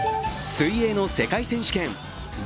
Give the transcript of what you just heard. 水泳の世界選手権。